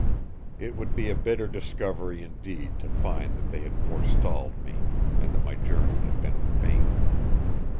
It would be a bitter discovery indeed to find that they had forestalled me; and that my journey had been in vain.